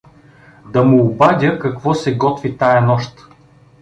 — Да му обадя какво се готви тая нощ.